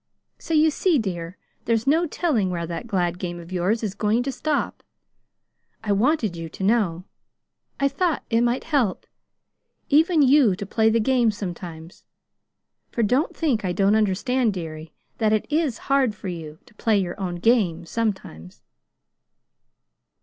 So you see, dear, there's no telling where that glad game of yours is going to stop. I wanted you to know. I thought it might help even you to play the game sometimes; for don't think I don't understand, dearie, that it IS hard for you to play your own game sometimes."